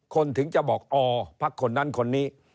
ถึงจะบอกอ๋อพักคนนั้นคนนี้